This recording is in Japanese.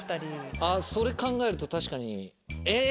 それ考えると確かにえぇ？